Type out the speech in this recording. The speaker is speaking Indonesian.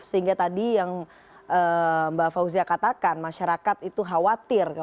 sehingga tadi yang mbak fauzia katakan masyarakat itu khawatir